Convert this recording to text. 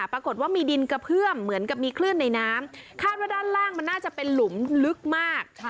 ปรากฏว่ามีดินกระเพื่อมเหมือนกับมีคลื่นในน้ำคาดว่าด้านล่างมันน่าจะเป็นหลุมลึกมาก